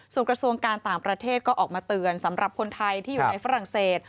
ส่วนกระทรวงการต่างประเทศก็ออกมาเตือนสำหรับคนไทยที่อยู่ในฝรั่งเศส